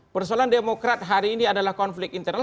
persoalan demokrat hari ini adalah konflik internal